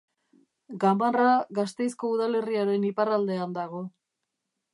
Gamarra Gasteizko udalerriaren iparraldean dago.